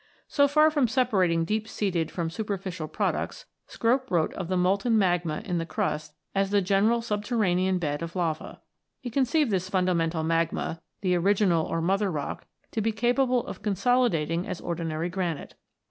So far from separating deep seated from superficial products, Scrope wrote of the molten magma in the crust as "the general subterranean bed of lava." He conceived this fundamental magma, "the original or mother rock," to be capable of consolidating as ordinary granite.